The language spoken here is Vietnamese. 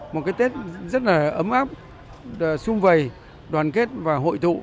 một cái tết rất là ấm áp xung vầy đoàn kết và hội thụ